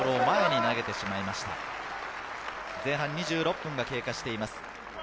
前半２６分が経過しています。